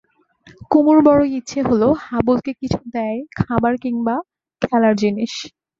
কুমুর বড়ো ইচ্ছে হল হাবলুকে কিছু দেয়, খাবার কিম্বা খেলার জিনিস।